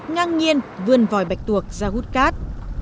ngang nhiên vươn vòi bạch tuộc ra hút cát